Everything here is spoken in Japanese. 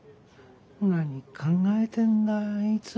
何考えてんだあいつ。